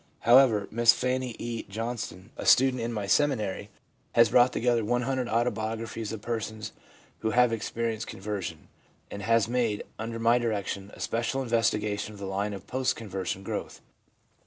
However, Miss Fannie E. Johnston, a student in my seminary, has brought together one LINE OF GROWTH FOLLOWING CONVERSION 355 hundred autobiographies of persons who have experi enced conversion, and has made, under my direction, a special investigation of the line of post conversion growth.